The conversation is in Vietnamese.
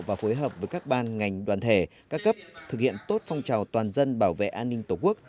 và phối hợp với các ban ngành đoàn thể các cấp thực hiện tốt phong trào toàn dân bảo vệ an ninh tổ quốc